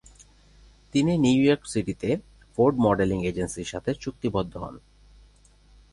তিনি New York সিটিতে Ford modelling এজেন্সির সাথে চুক্তিবদ্ধ হন।